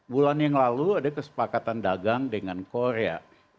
bulan yang lalu ada kesepakatan dagang dengan korea